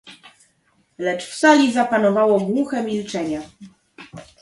"Lecz w sali zapanowało głuche milczenie."